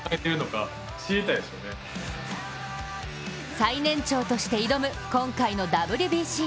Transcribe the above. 最年長として挑む、今回のＷＢＣ。